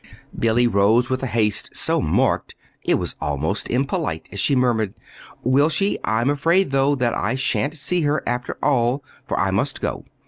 Billy rose with a haste so marked it was almost impolite, as she murmured: "Will she? I'm afraid, though, that I sha'n't see her, after all, for I must go.